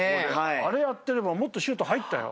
あれやってればもっとシュート入ったよ。